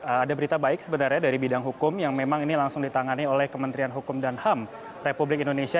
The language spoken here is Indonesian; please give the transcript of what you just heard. ada berita baik sebenarnya dari bidang hukum yang memang ini langsung ditangani oleh kementerian hukum dan ham republik indonesia